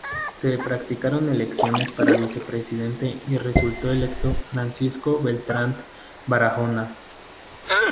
Se practicaron elecciones para Vicepresidente y resultó electo Francisco Bertrand Barahona.